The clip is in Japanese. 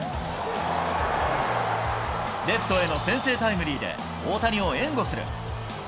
レフトへの先制タイムリーで、大谷を援護する。